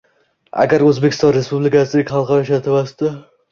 Agar O‘zbekiston Respublikasining xalqaro shartnomasida